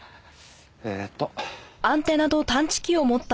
えっと。